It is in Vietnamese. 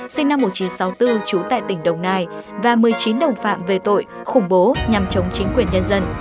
sinh năm một nghìn chín trăm sáu mươi bốn trú tại tỉnh đồng nai và một mươi chín đồng phạm về tội khủng bố nhằm chống chính quyền nhân dân